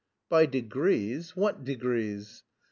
"By degrees? What degrees?"